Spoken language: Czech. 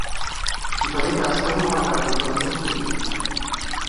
V případě kravského mléka tento enzym chybí.